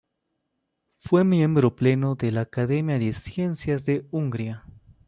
Fue miembro pleno de la Academia de Ciencias de Hungría.